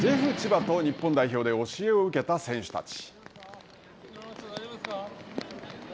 ジェフ千葉と日本代表で教えを受けた選手たち。